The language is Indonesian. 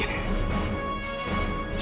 ada rezeki buat kita